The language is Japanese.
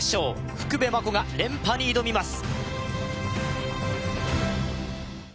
福部真子が連覇に挑みます